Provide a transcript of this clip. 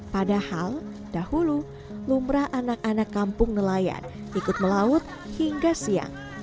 padahal dahulu lumrah anak anak kampung nelayan ikut melaut hingga siang